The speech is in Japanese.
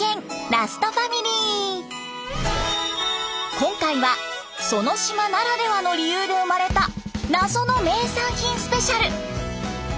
今回はその島ならではの理由で生まれた謎の名産品スペシャル！